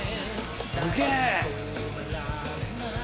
すげえ！